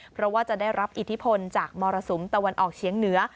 เพราะว่าจะได้รับอิทธิพลจากมรสุมตะวันออกเฉียงเหนือ